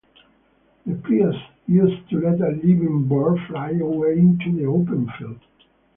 The priest used to let a living bird fly away into the open field.